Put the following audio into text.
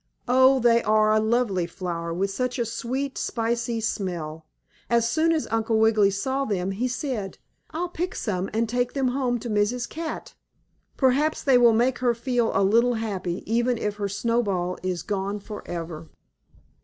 Oh, they are a lovely flower, with such a sweet, spicy smell. As soon as Uncle Wiggily saw them he said: "I'll pick some and take them home to Mrs. Cat. Perhaps they will make her feel a little happy, even if her Snowball is gone forever."